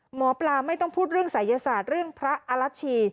หมอปลาไม่ต้องพูดเรื่องศัยศาสตร์เรื่องพระอรัชชี